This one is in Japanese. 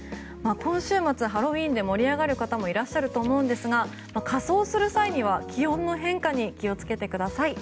今週末、ハロウィーンで盛り上がる方もいらっしゃると思うんですが仮装する際には気温の変化に気をつけてください。